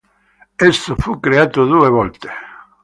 Esso fu creato due volte.